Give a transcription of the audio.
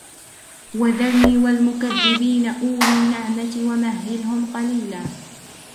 وَذَرْنِي وَالْمُكَذِّبِينَ أُولِي النَّعْمَةِ وَمَهِّلْهُمْ قَلِيلًا